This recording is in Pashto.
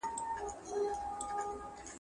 يعقوب عليه السلام به زامنو ملامتاوه.